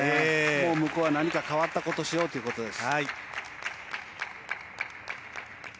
もう向こうは変わったことを何かしようということです。